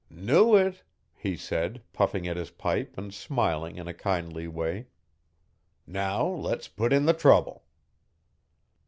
'Knew it,' he said, puffing at his pipe and smiling in a kindly way. 'Now let's put in the trouble.'